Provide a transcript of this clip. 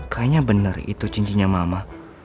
kayaknya benar itu cincinnya mama